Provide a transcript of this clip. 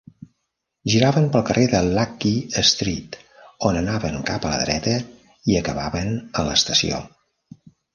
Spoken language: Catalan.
Giraven pel carrer de Lackey Street, on anaven cap a la dreta i acabaven a l'estació.